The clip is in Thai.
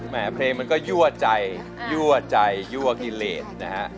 แหมเพลงมันก็ยั่วใจยั่วเกรียดนะฮะ